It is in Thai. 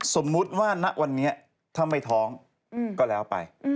สมมุติว่าณวันนี้ถ้าไม่ท้องก็แล้วไป